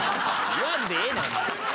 言わんでええねんお前。